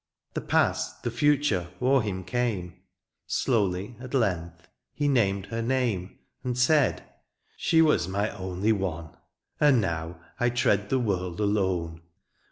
The past, the future, o'er him came — Slowly at length he named her name. And said, ^^ She was my only one, ^^ And now I tread the world alone